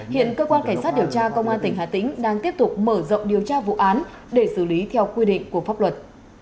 hiện cơ quan cảnh sát điều tra công an tỉnh hà tĩnh đang tiếp tục mở rộng điều tra vụ án để xử lý theo quy định của pháp luật